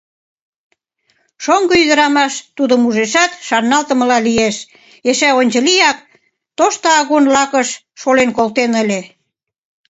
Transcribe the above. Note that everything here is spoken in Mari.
Шоҥго ӱдырамаш тудым ужешат, шарналтымыла лиеш: эше ончылияк тошто агун лакыш шолен колтен ыле.